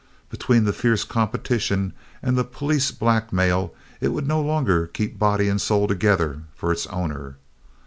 Between the fierce competition and the police blackmail it would no longer keep body and soul together for its owner.